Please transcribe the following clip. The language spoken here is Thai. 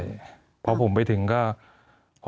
มีความรู้สึกว่ามีความรู้สึกว่า